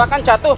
aku akan jatuh